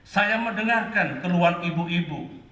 saya mendengarkan keluhan ibu ibu